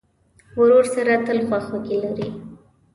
ورور سره تل خواخوږی لرې.